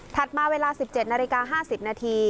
มาเวลา๑๗นาฬิกา๕๐นาที